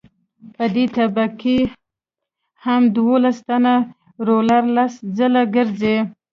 په دې طبقه هم دولس ټنه رولر لس ځله ګرځي